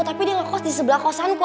tapi dia ngekos di sebelah kosanku